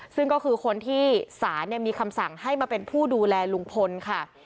ซึ่งก็คือคนที่ศาลมีคำสั่งให้มาเป็นผู้ดูแลลุงพลค่ะ